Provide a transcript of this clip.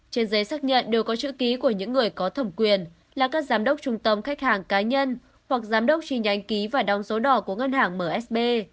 trên giấy xác nhận đều có chữ ký của những người có thẩm quyền là các giám đốc trung tâm khách hàng cá nhân hoặc giám đốc tri nhánh ký và đóng số đỏ của ngân hàng msb